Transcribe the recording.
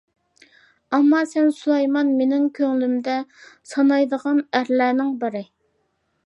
ئەمما سەن سۇلايمان مېنىڭ كۆڭلۈمدە سانايدىغان ئەرلەرنىڭ بىرى.